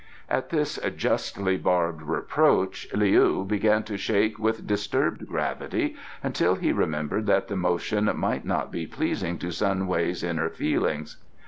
At this justly barbed reproach Leou began to shake with disturbed gravity until he remembered that the motion might not be pleasing to Sun Wei's inner feelings.